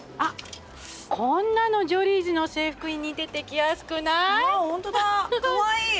こんなのジョリーズの制服に似てて着やすくない？